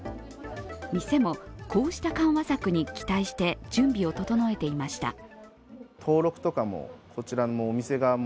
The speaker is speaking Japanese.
店もこうした緩和策に期待して準備を整えていました。